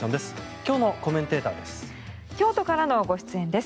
今日のコメンテーターです。